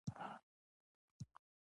• دښمني د ذهني ناورین سبب کېږي.